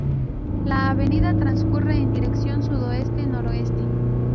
La avenida transcurre en dirección sudoeste-noreste.